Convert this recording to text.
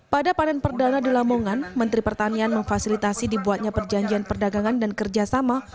pada panen perdana di lamongan menteri pertanian memfasilitasi dibuatnya perjanjian perdagangan dan kerjasama